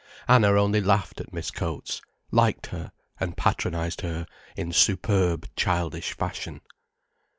Anna only laughed at Miss Coates, liked her, and patronized her in superb, childish fashion.